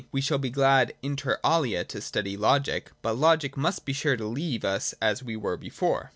We shall be glad inter alia to study Logic : but Logic must be sure to leave us as we were before.'